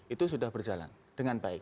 itu sudah berjalan dengan baik